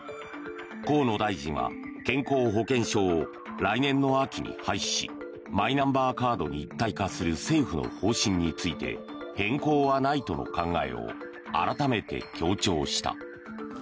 河野大臣は健康保険証を来年の秋に廃止しマイナンバーカードに一体化する政府の方針について変更はないとの考えを改めて強調した。